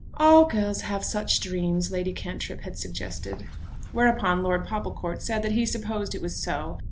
"All girls have such dreams," Lady Cantrip had suggested. Whereupon Lord Popplecourt said that he supposed it was so.